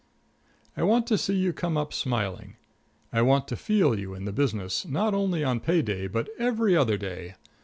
I want to see you come up smiling; I want to feel you in the business, not only on pay day but every other day.